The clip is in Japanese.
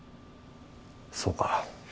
そうか。